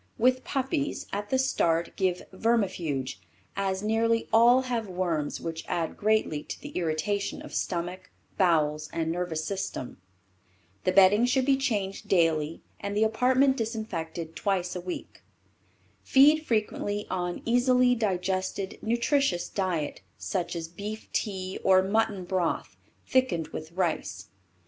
With puppies, at the start give vermifuge, as nearly all have worms which add greatly to the irritation of stomach, bowels and nervous system. The bedding should be changed daily and the apartment disinfected twice a week. Feed frequently on easily digested, nutritious diet, such as beef tea or mutton broth, thickened with rice.